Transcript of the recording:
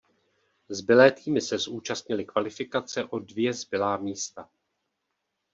Zbylé týmy se zúčastnily kvalifikace o dvě zbylá místa.